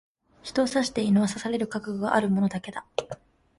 人を刺していいのは、刺される覚悟がある者だけだ。